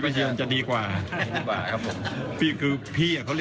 คือไม่มากครับ